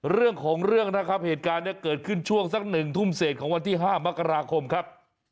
เรื่องของเรื่องนะครับเหตุการณ์เนี่ยเกิดขึ้นช่วงสัก๑ทุ่มเศษของวันที่๕มกราคมครับ